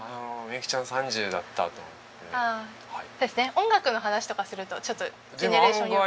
音楽の話とかするとちょっとジェネレーションギャップ。